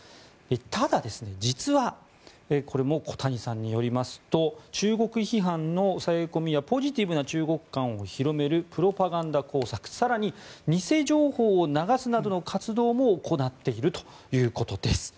ただ、実はこれも小谷さんによりますと中国批判の抑え込みやポジティブや中国観を広めるプロパガンダ工作更に、偽情報を流すなどの活動も行っているということです。